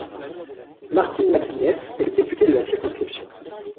Martin McGuinness est le député de la circonscription.